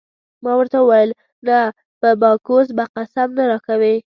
ما ورته وویل: نه په باکوس به قسم نه راکوې.